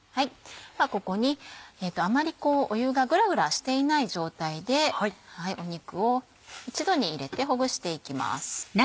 ではここにあまり湯がグラグラしていない状態で肉を一度に入れてほぐしていきます。